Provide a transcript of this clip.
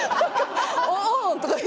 「ああ」とか言って。